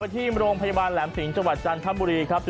ที่โรงพยาบาลแหลมสิงห์จังหวัดจันทบุรีครับ